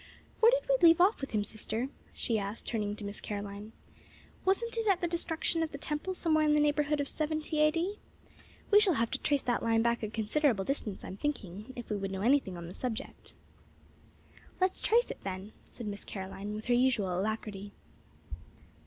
'" "Where did we leave off with him, sister?" she asked, turning to Miss Caroline. "Wasn't it at the destruction of the temple, somewhere in the neighborhood of 70 A. D.? We shall have to trace that line back a considerable distance, I am thinking, if we would know anything on the subject." "Let's trace it then," said Miss Caroline, with her usual alacrity.